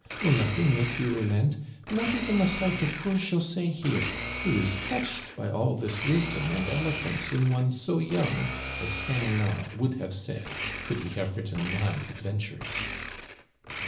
will nothing make you re lent — not even the sight of poor José here, who is touched by all this wisdom and eloquence in one so young, as Fénelon would have said could he have written my ad ventures